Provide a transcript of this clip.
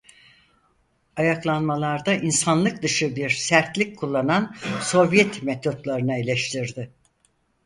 Ayaklanmalarda insanlık dışı bir sertlik kullanan Sovyet metotlarını eleştirdi.